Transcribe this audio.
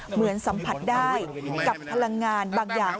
เหมือนสัมผัสได้กับพลังงานบางอย่าง